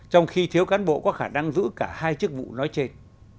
trong khi thiếu cán bộ có khả năng giữ cả hai chức vụ nói trên